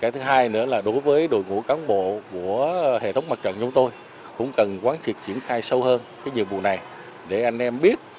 thứ hai nữa là đối với đội ngũ cán bộ của hệ thống mặt trận chúng tôi cũng cần quán triệt triển khai sâu hơn cái nhiệm vụ này để anh em biết